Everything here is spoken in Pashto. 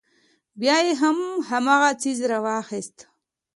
بيا يې هم هماغه څيز راواخيست.